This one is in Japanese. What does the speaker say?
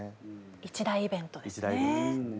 一大イベントですね。